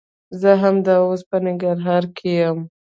زه همدا اوس په ننګرهار کښي يم.